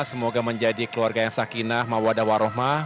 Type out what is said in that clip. semoga menjadi keluarga yang sakinah mawadah warohmah